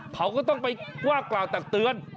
เขาก็ต้องไปว่ากล่าวตักเตือน